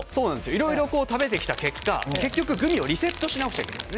いろいろ食べてきた結果結局、グミをリセットしてくれるんです。